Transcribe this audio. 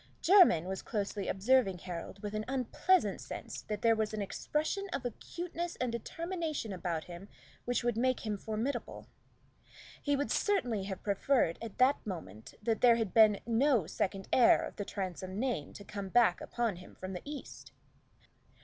Jermyn was closely observing Harold with an unpleasant sense that there was an expression of acuteness and determination about him which would make him formidable. He would certainly have preferred at that moment that there had been no second heir of the Transome name to come back upon him from the East.